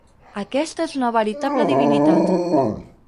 Aquesta és una veritable divinitat.